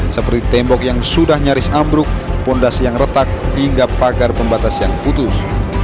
seperti tembok yang sudah nyaris ambruk fondasi yang retak hingga pagar pembatas yang putus